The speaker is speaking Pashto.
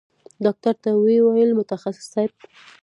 ډاکتر ته يې وويل متخصص صايب.